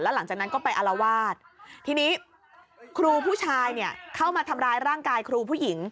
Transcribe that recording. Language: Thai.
หลังจากนั้นก็ไปอารวาสทีนี้ครูผู้ชายเนี่ยเข้ามาทำร้ายร่างกายครูผู้หญิง